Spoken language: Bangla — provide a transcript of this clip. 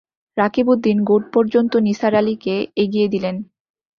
রকিবউদ্দিন গোট পর্যন্ত নিসার আলিকে এগিয়ে দিলেন।